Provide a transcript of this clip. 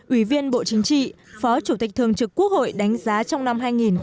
ủy viên bộ chính trị phó chủ tịch thường trực quốc hội đánh giá trong năm hai nghìn hai mươi